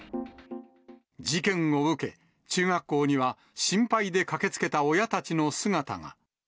事件を受け、中学校には、心配で駆けつけた親たちの姿が。